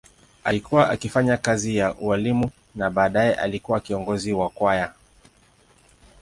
Alikuwa akifanya kazi ya ualimu na baadaye alikuwa kiongozi wa kwaya.